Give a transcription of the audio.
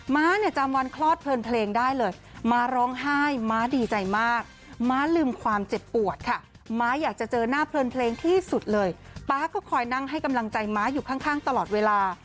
ม้าเนี่ยจำวันคลอดเพลินเพลงได้เลยม้าร้องไห้ม้าดีใจมากม้าลืมความเจ็บปวดค่ะม้าอยากจะเจอหน้าเพลินเพลงที่สุดเลยป๊าก็คอยนั่งให้กำลังใจม้าอยู่ข้างตลอดเวลา